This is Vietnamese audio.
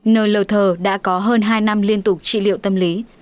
nờ lờ thờ đã có hơn hai năm liên tục trị liệu tâm lý